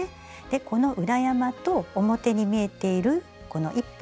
この裏山と表に見えているこの１本。